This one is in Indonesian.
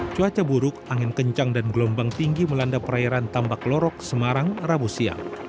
cuaca buruk angin kencang dan gelombang tinggi melanda perairan tambak lorok semarang rabu siang